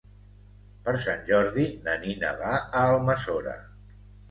Per Sant Jordi na Nina va a Almassora.